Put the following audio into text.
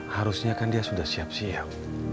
harusnya kan dia sudah siap siap